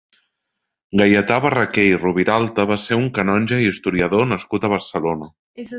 Gaietà Barraquer i Roviralta va ser un canonge i historiador nascut a Barcelona.